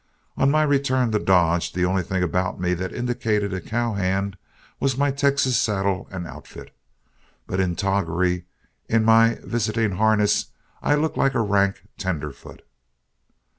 On my return to Dodge, the only thing about me that indicated a cow hand was my Texas saddle and outfit, but in toggery, in my visiting harness, I looked like a rank tenderfoot.